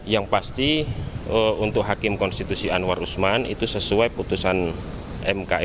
yang pasti untuk hakim konstitusi anwar usman itu sesuai putusan mk